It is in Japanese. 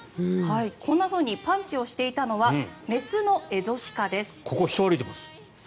こんなふうにパンチをしていたのはここ、人歩いてます。